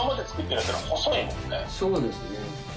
そうですね。